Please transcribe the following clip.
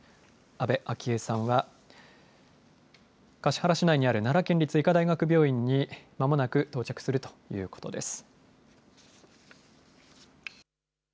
安倍昭恵さんは、橿原市内にある奈良県立医科大学病院にまもなく到着するということです。